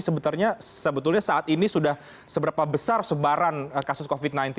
sebetulnya saat ini sudah seberapa besar sebaran kasus covid sembilan belas